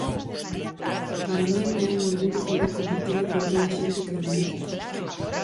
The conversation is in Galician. Para min é un orgullo poder compartilo con toda a xente que o organiza.